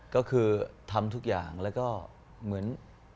ก็คือทำทุกอย่างแล้วก็เหมือน